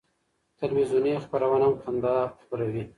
تلویزیوني خپرونه هم خندا خپروي.